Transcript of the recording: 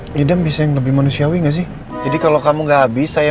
pelidam bisa yang lebih manusiawi gak sih jadi kalau kamu nggak habis saya